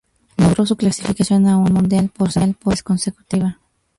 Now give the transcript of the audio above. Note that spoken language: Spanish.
Logró su clasificación a un Mundial por segunda vez consecutiva.